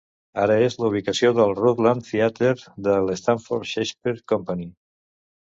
Ara és la ubicació del Rutland Theatre de l'Stamford Shakespeare Company.